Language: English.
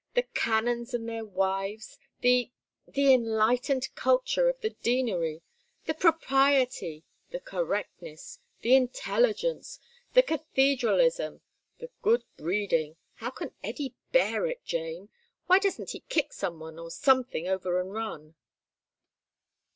The canons and their wives. The the enlightened culture of the Deanery. The propriety. The correctness. The intelligence. The cathedralism. The good breeding. How can Eddy bear it, Jane? Why doesn't he kick someone or something over and run?"